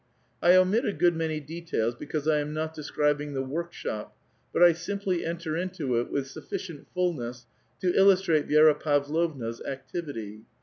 I omit a good many details because I am not describ ing the workshop, but I simply enter into it with suf ficient fulness to illustrate Vi^ra Pavlovna's activity.